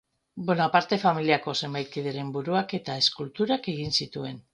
Bonaparte familiako zenbait kideren buruak eta eskulturak egin zituen.